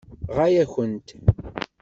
Ɣaya-kent.